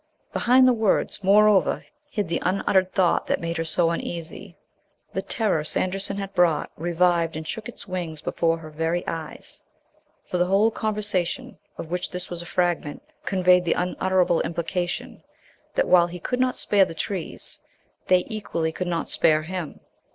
Behind the words, moreover, hid the unuttered thought that made her so uneasy. The terror Sanderson had brought revived and shook its wings before her very eyes. For the whole conversation, of which this was a fragment, conveyed the unutterable implication that while he could not spare the trees, they equally could not spare him.